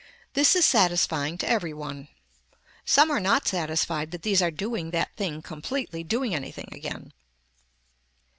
This is satisfying to every one. Some are not satisfied that these are doing that thing completely doing anything again.